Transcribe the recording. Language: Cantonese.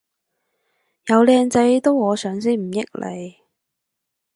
有靚仔都我上先唔益你